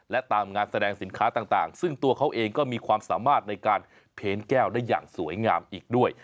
และตามงานแสดงสินค้าต่างซึ่งตัวเขาเองก็มีความสามารถในการเพ้นแก้วได้อย่างสวยงามอีกด้วย